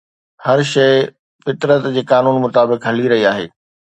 هر شيءِ فطرت جي قانون مطابق هلي رهي آهي.